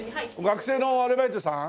学生のアルバイトさん？